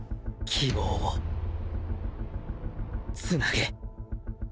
希望をつなげ！